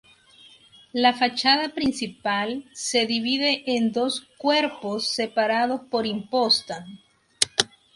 La fachada principal se divide en dos cuerpos separados por imposta.